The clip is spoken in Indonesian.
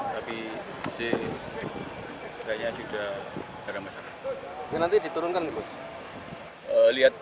tapi sejajarnya sudah tidak ada masalah